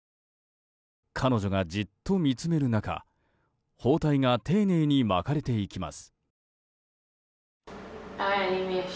彼女がじっと見つめる中包帯が丁寧に巻かれていきます。